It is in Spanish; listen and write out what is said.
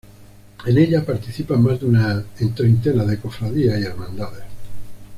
En ellas participan más de una treintena de cofradías y hermandades.